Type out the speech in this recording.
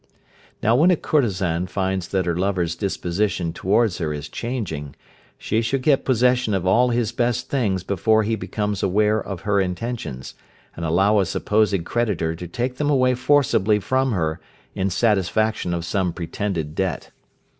Now when a courtesan finds that her lover's disposition towards her is changing, she should get possession of all his best things before he becomes aware of her intentions, and allow a supposed creditor to take them away forcibly from her in satisfaction of some pretended debt.